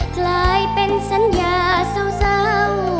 กลายเป็นสัญญาเศร้า